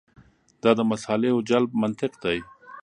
دا د مصالحو جلب منطق دی.